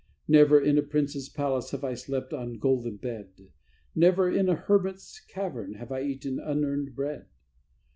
"Never in a prince's palace have I slept on golden bed, Never in a hermit's cavern have I eaten unearned bread.